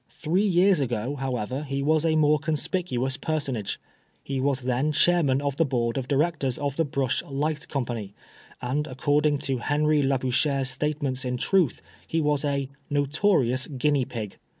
Three years ago, however, he was a more conspicuous personage. He was then chairman of the Board of Directors of the Brush Light Company ; and according to Henry Labouchere's statements in Truths he was a " notorious guinea pig."